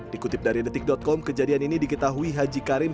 dikutip dari detik com kejadian ini diketahui haji karim